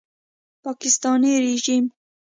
پاکستاني ریژیم